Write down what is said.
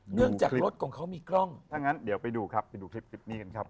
เนื่องจากรถของเขามีกล้องถ้างั้นเดี๋ยวไปดูครับไปดูคลิปคลิปนี้กันครับ